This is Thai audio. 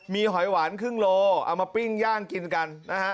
มีหอยหวานครึ่งโลเอามาปิ้งย่างกินกันนะฮะ